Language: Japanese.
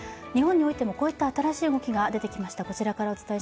日本においても、こういった新しい動きが出てきました。